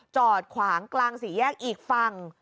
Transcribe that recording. จอดขวางกลางสี่แยกอีกฝั่ง